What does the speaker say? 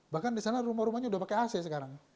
bahkan di sana rumah rumahnya sudah pakai ac sekarang